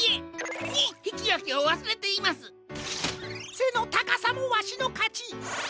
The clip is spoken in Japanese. せのたかさもわしのかち！